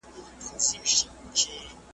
او مخاطب یې لوستونکي او اورېدونکي دي .